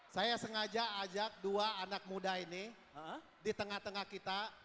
saya sengaja ajak dua anak muda ini di tengah tengah kita